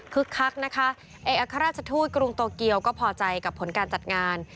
คักนะคะเอกอัครราชทูตกรุงโตเกียวก็พอใจกับผลการจัดงาน